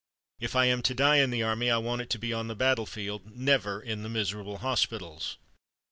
If I am to die in the army, I want it to be on the battlefield, never in the miserable hospitals."